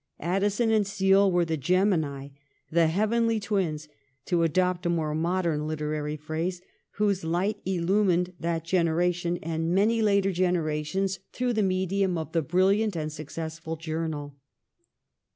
Addison and Steele were the Gemini, the Heavenly Twins, to adopt a more modern literary phrase, whose light illumined that generation and many later 172 THE REIGN OF QUEEN ANNE. CH. xxix. generations through the medium of the brilliant and successful journal.